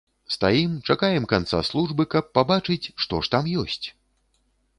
Стаім, чакаем канца службы, каб пабачыць, што ж там ёсць?